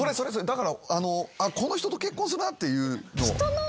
だからこの人と結婚するなっていう。